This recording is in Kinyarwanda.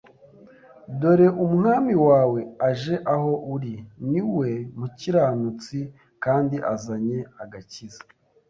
dore Umwami wawe aje aho uri, niwe mukiranutsi kandi azanye agakiza